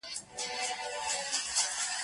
هم به ښادۍ وي هم به لوی لوی خیراتونه کېدل